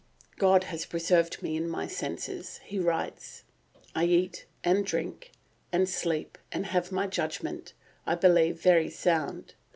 "God has preserved to me my senses," he writes. "I eat, and drink, and sleep, and have my judgment, I believe, very sound.